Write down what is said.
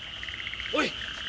おい！